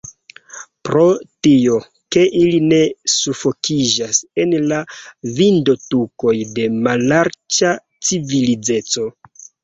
Pro tio, ke ili ne sufokiĝas en la vindotukoj de mallarĝa civilizeco.